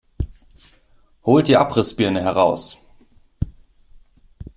Holt die Abrissbirne heraus!